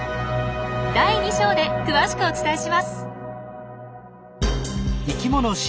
第２章で詳しくお伝えします！